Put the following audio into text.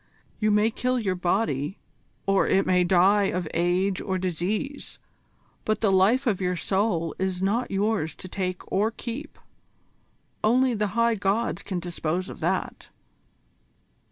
You may kill your body, or it may die of age or disease, but the life of your soul is not yours to take or keep. Only the High Gods can dispose of that.